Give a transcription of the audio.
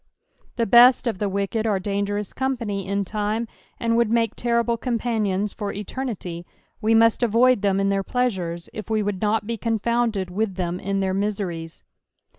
The best if the wicked are dangerous company in lime, and would make terrible companions for eternity ; we must avoid them in their pleasures, if we would nut be confounded with them in their miseries.